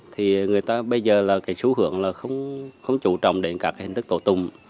thì người ta bây giờ là cái xu hướng là không chủ trọng đến các hình thức tổ tùng